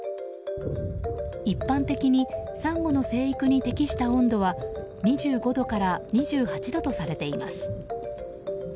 一般的にサンゴの生育に適した温度は２５度から２８度とされています。